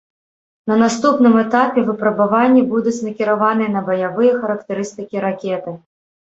На наступным этапе выпрабаванні будуць накіраваныя на баявыя характарыстыкі ракеты.